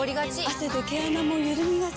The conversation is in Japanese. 汗で毛穴もゆるみがち。